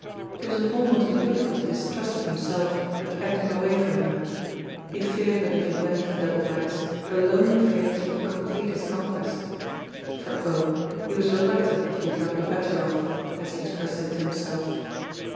It was an almost ludicrous distrust of himself that kept him away from her; he feared that if he went to Double Dykes her lonely face would complete his conquest. For oh, he was reluctant to be got the better of, as he expressed it to himself.